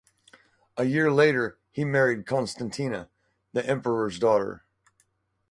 A year later, he married Constantina, the Emperor's daughter.